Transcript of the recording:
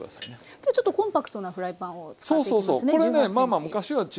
今日ちょっとコンパクトなフライパンを使っていきますね１８ｃｍ。